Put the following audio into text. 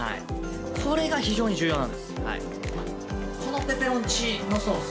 これが非常に重要なんです。